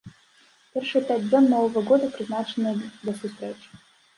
Першыя пяць дзён новага года прызначаныя для сустрэч.